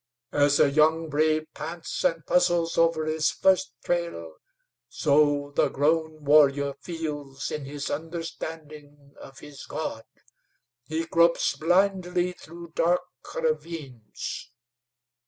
As a young brave pants and puzzles over his first trail, so the grown warrior feels in his understanding of his God. He gropes blindly through dark ravines.